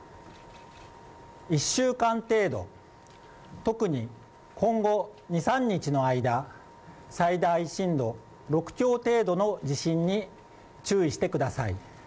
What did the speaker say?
１週間程度、特に今後２３日の間、最大震度６強程度の地震に注意してください。